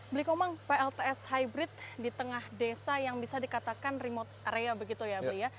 beli komang plts hybrid di tengah desa yang bisa dikatakan remote area begitu ya beli ya